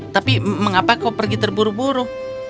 tapi mengapa kau pergi terburu buru